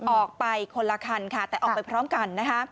ออกไปคนละคันแต่ออกไปพร้อมกัน